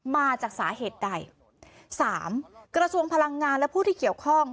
มาจากสาเหตุใดสามกระทรวงพลังงานและผู้ที่เกี่ยวข้อง